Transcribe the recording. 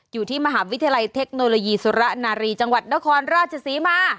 อยู่ที่มหาวิทยาลัยเทคโนโลยีสุรนารีจังหวัดนครราชศรีมา